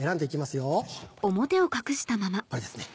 これですね。